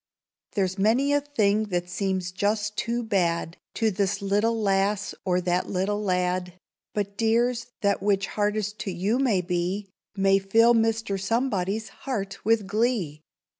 There's many a thing that seems "just too bad!" To this little lass or that little lad; But, dears, that which hardest to you may be, May fill Mr. Somebody's heart with glee.